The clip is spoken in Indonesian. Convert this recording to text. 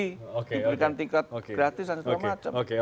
diberikan tiket gratis dan segala macam